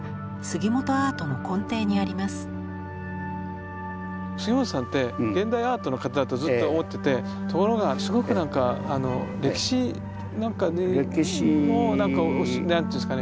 杉本さんって現代アートの方だとずっと思っててところがすごく何か歴史なんかにも何ていうんですかね